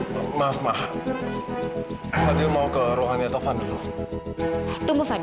buat apa kamu mau ke rumah dengan taufan